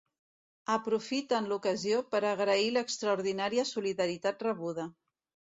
Aprofiten l'ocasió per agrair l'extraordinària solidaritat rebuda.